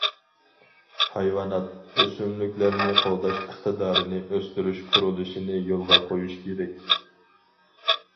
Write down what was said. ھايۋانات، ئۆسۈملۈكلەرنى قوغداش ئىقتىدارىنى ئۆستۈرۈش قۇرۇلۇشىنى يولغا قويۇش كېرەك.